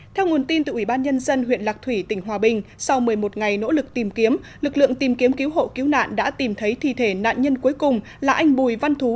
theo nguồn tin từ ủy ban nhân dân huyện lạc thủy tỉnh hòa bình sau một mươi một ngày nỗ lực tìm kiếm lực lượng tìm kiếm cứu hộ cứu nạn đã tìm thấy thi thể nạn nhân cuối cùng là anh bùi văn thú